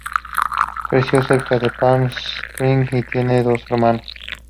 Creció cerca de Palm Springs y tiene dos hermanos.